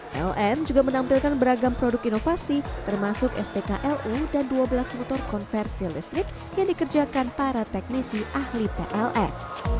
pln juga menampilkan beragam produk inovasi termasuk spklu dan dua belas motor konversi listrik yang dikerjakan para teknisi ahli pln